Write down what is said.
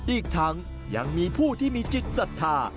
อีกทั้งยังมีผู้ที่มีจิตศรัทธา